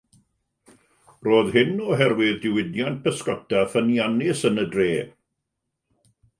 Roedd hyn oherwydd y diwydiant pysgota ffyniannus yn y dref.